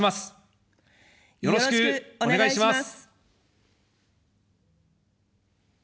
よろしくお願いします。